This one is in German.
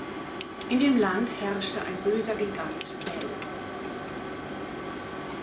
In dem Land herrschte ein böser Gigant Bel.